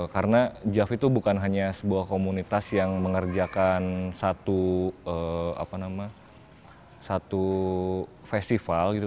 karena jav itu bukan hanya sebuah komunitas yang mengerjakan satu festival gitu